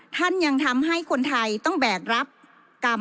ท่านยังทำให้คนไทยต้องแบกรับกรรม